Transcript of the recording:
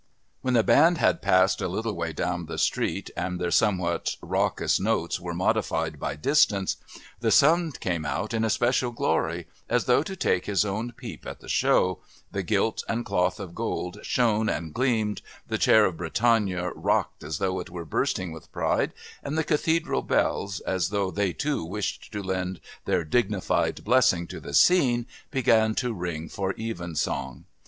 When the band had passed a little way down the street and their somewhat raucous notes were modified by distance, the sun came out in especial glory, as though to take his own peep at the show, the gilt and cloth of gold shone and gleamed, the chair of Britannia rocked as though it were bursting with pride, and the Cathedral bells, as though they too wished to lend their dignified blessing to the scene, began to ring for Evensong.